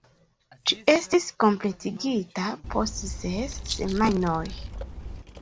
Ĝi estis kompletigita post ses semajnoj.